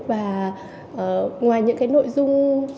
và ngoài những cái nội dung